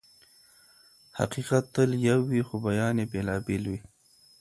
حقيقت تل يو وي خو بيان يې بېلابېل وي.